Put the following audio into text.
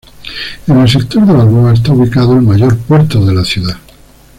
En el sector de Balboa está ubicado el mayor puerto de la ciudad.